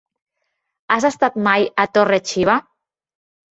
Has estat mai a Torre-xiva?